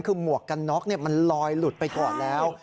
คือหมวกกันน็อกมันลอยหลุดไปก่อนแล้ว